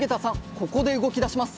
ここで動きだします。